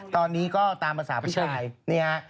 ตอนนี้ก็ตามภาษาผู้ชายนี่ฮะ